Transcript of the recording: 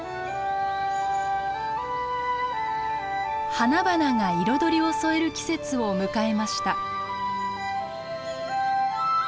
花々が彩りを添える季節を迎えました。